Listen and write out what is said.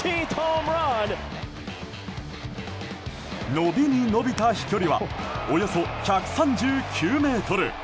伸びに伸びた飛距離はおよそ１３９ｍ。